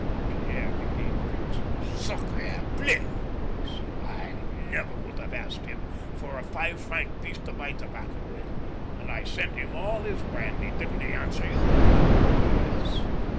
Pierre became crimson. " Sdcrdbleu /" he said, " I never would have asked him for a five franc piece to buy tobacco with, and I sent him all his brandy. Didn't he answer you ?"" Yes."